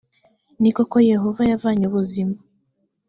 ni koko yehova yavanye ubuzima